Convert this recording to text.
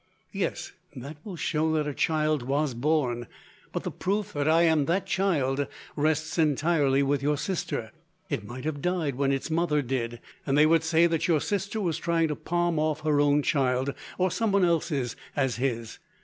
"Yes; that will show that a child was born, but the proof that I am that child rests entirely with your sister. It might have died when its mother did, and they would say that your sister was trying to palm off her own child, or someone else's, as his.